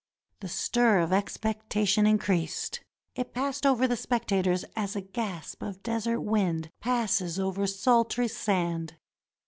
The stir of expectation increased. It passed over the spectators as a gasp of desert wind passes over sultry sand.